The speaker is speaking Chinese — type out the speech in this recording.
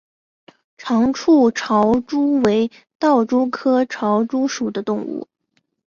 长触潮蛛为盗蛛科潮蛛属的动物。